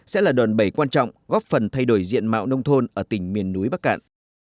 sẽ là đòn bẩy quan trọng góp phần thay đổi diện mạo nông thôn ở tỉnh miền núi bắc cạn